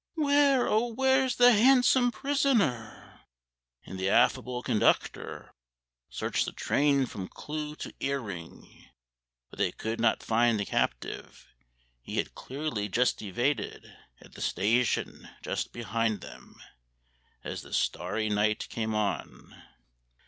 Where, oh, where's the handsome prisoner?" And the affable conductor Searched the train from clue to ear ring, But they could not find the captive. He had clearly just evaded At the station just behind them, As the starry night came on.